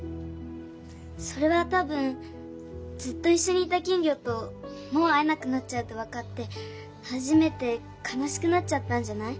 それはたぶんずっといっしょにいた金魚ともう会えなくなっちゃうってわかってはじめてかなしくなっちゃったんじゃない？